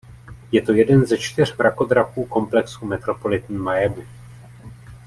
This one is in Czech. Je to jeden ze čtyř mrakodrapů komplexu Metropolitan Miami.